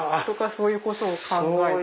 そういうことを考えて。